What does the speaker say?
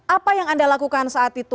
apa yang anda lakukan saat itu